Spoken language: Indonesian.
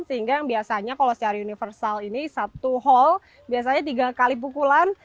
sehingga biasanya kalau universal ini satu hal biasanya tiga kali pukulan